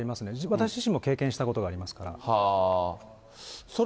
私自身も経験したことがあります